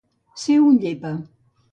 Ser un llepa.